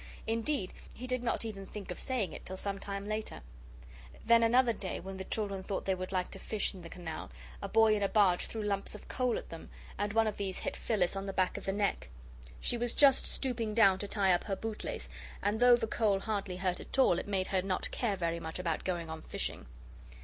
Indeed, he did not even think of saying it till some time later. Then another day when the children thought they would like to fish in the canal, a boy in a barge threw lumps of coal at them, and one of these hit Phyllis on the back of the neck. She was just stooping down to tie up her bootlace and though the coal hardly hurt at all it made her not care very much about going on fishing.